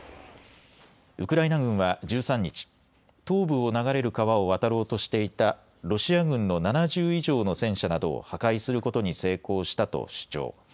ウクライナ軍は１３日、東部を流れる川を渡ろうとしていたロシア軍の７０以上の戦車などを破壊することに成功したと主張。